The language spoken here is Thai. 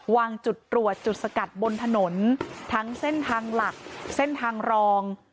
วางจุดตรวจจุดสกัดบนถนนทั้งเส้นทางหลักเส้นทางรอง